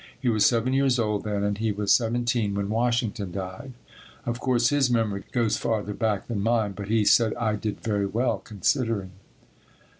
He was seven years old then and he was seventeen when Washington died. Of course his memory goes farther back than mine, but he said I did very well, considering.